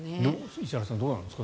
石原さんどうなんですかね。